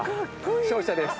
勝者です。